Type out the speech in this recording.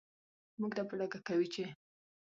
موږ ته په ډاګه کوي چې